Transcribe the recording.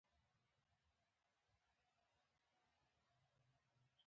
پوښتنه یې وکړه چې افغان امریکایي یې.